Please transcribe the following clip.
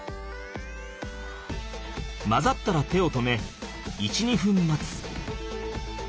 混ざったら手を止め１２分待つ。